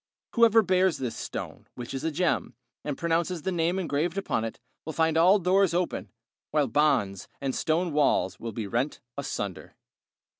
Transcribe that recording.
Whoever bears this stone, which is a gem, and pronounces the name engraved upon it, will find all doors open, while bonds and stone walls will be rent asunder.